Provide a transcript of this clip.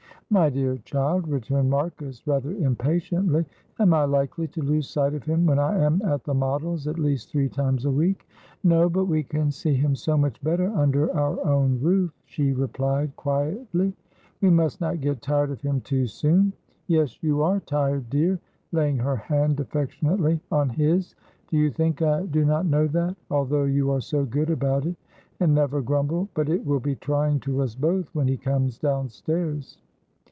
"My dear child," returned Marcus, rather impatiently, "am I likely to lose sight of him when I am at the Models at least three times a week?" "No, but we can see him so much better under our own roof," she replied, quietly. "We must not get tired of him too soon. Yes, you are tired, dear," laying her hand affectionately on his. "Do you think I do not know that, although you are so good about it, and never grumble, but it will be trying to us both when he comes downstairs."